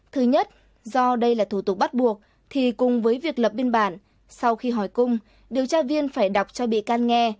thứ nhất do đây là thủ tục bắt buộc thì cùng với việc lập biên bản sau khi hỏi cung điều tra viên phải đọc cho bị can nghe